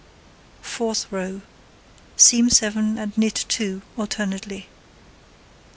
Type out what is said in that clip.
Fourth row: Seam 7, and knit 2 alternately.